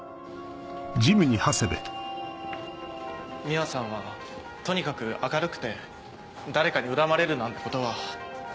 美羽さんはとにかく明るくて誰かに恨まれるなんてことは。